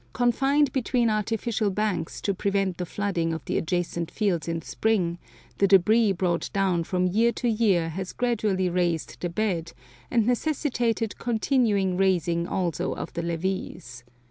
Confined between artificial banks to prevent the flooding of the adjacent fields in spring, the debris brought down from year to year has gradually raised the bed, and necessitated continued raising also of the levees.